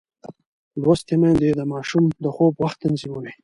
لوستې میندې د ماشوم د خوب وخت تنظیموي.